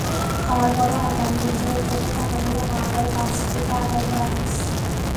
তারপরও আগামী বছরের জন্য টাকাগুলো আমাদের কাছ থেকে আদায় করা হচ্ছে।